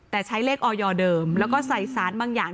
แต่ใช้เลขออยเดิมแล้วก็ใส่สารบางอย่าง